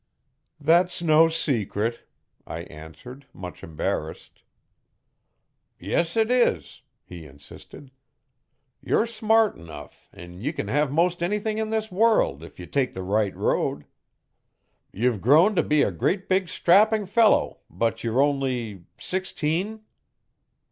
'That's no secret,' I answered much embarrassed. 'Yes it is,' he insisted, 'you're smart enough an' ye can have most anything in this world if ye take the right road. Ye've grown t' be a great big strapping fellow but you're only sixteen?'